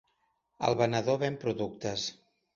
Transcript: El venedor ven productes.